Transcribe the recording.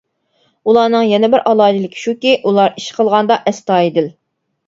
ئۇلارنىڭ يەنە بىر ئالاھىدىلىكى شۇكى، ئۇلار ئىش قىلغاندا ئەستايىدىل.